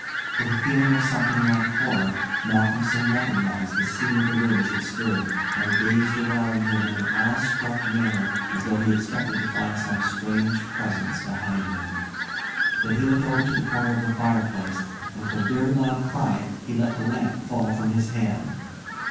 With a feeling of something like horror, Malcolmson recognised the scene of the room as it stood, and gazed around him in an awestruck manner as though he expected to find some strange presence behind him. Then he looked over to the corner of the fireplace—and with a loud cry he let the lamp fall from his hand.